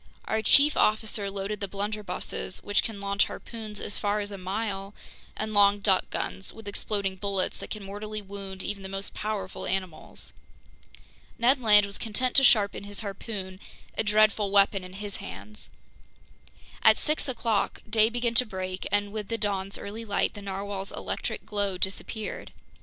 Our chief officer loaded the blunderbusses, which can launch harpoons as far as a mile, and long duck guns with exploding bullets that can mortally wound even the most powerful animals. Ned Land was content to sharpen his harpoon, a dreadful weapon in his hands. At six o'clock day began to break, and with the dawn's early light, the narwhale's electric glow disappeared.